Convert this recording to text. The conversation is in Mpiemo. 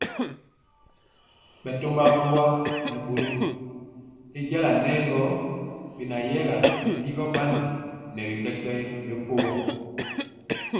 Bɛtɔmba boa nɛ bɔrɔm y jala nɛ gɔ beyɛga nɛ ligɔ bandi nɛ bi kɛkɛɛ ri mpogɔ.